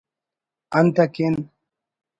انت اکن